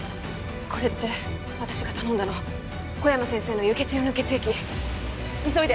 これって私が頼んだの小山先生の輸血用の血液急いで！